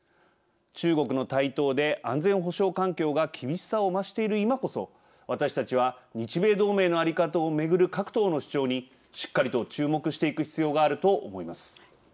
中国の台頭で安全保障環境が厳しさを増している今こそ私たちは日米同盟の在り方をめぐる各党の主張にしっかりと注目していく必要があると思います。